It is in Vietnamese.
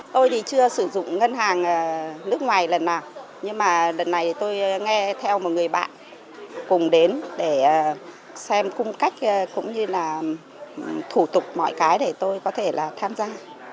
tôi thì chưa sử dụng ngân hàng nước ngoài lần nào nhưng mà lần này tôi nghe theo một người bạn cùng đến để xem cung cách cũng như là thủ tục mọi cái để tôi có thể là tham gia